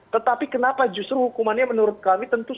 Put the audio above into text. tetapi kenapa justru hukumannya menurut kami tentu saja